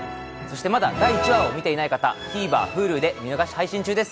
まだ第１話を見ていない方、ＴＶｅｒ、Ｈｕｌｕで見逃し配信中です。